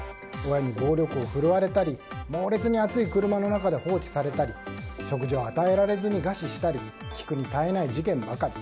親に暴力を振るわれたり猛烈に暑い車の中で放置されたり食事を与えられずに餓死したり聞くに堪えない事件ばかり。